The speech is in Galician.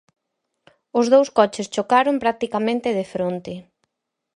Os dous coches chocaron practicamente de fronte.